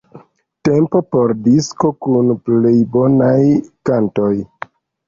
Tempo por 'disko kun plej bonaj kantoj'.